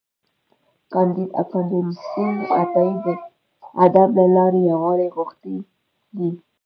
کانديد اکاډميسن عطایي د ادب له لارې یووالی غوښتی دی.